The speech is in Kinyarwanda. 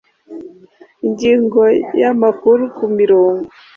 Ingingo ya amakuru ku mirongo